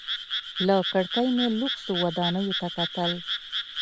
له کړکۍ مې لوکسو ودانیو ته کتل.